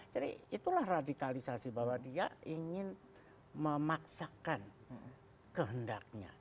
jadi itulah radikalisasi bahwa dia ingin memaksakan kehendaknya